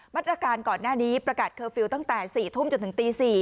มาตรการก่อนหน้านี้ประกาศเคอร์ฟิลล์ตั้งแต่๔ทุ่มจนถึงตี๔